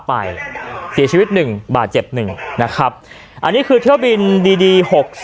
ไปเสียชีวิตหนึ่งบาดเจ็บหนึ่งนะครับอันนี้คือเที่ยวบินดีดี๖๐